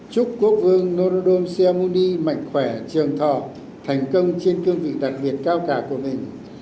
chúc quốc vương norom siamuni mạnh khỏe trường thọ thành công trên cương vị đặc biệt cao cả của mình